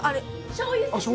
しょうゆさしです